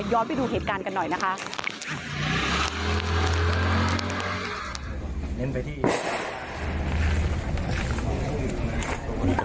ไปดูเหตุการณ์กันหน่อยนะคะ